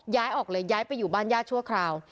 ย้ายออกเลยย้ายไปอยู่บ้านญาติชั่วคราว